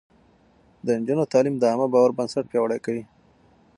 د نجونو تعليم د عامه باور بنسټ پياوړی کوي.